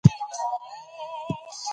ازادي راډیو د سوله حالت ته رسېدلي پام کړی.